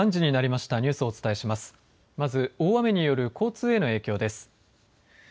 まず大雨による交通への影響です。